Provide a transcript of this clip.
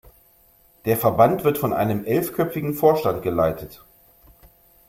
Der Verband wird von einem elfköpfigen Vorstand geleitet.